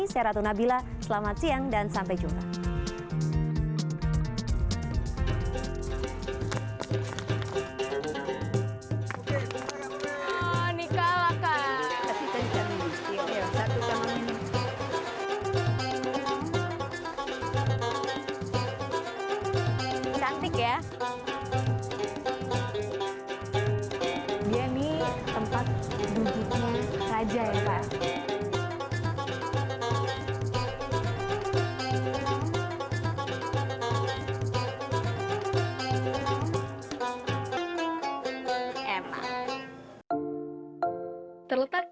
saya ratu nabila selamat siang dan sampai jumpa